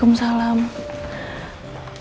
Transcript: kok bu andinan pak kesini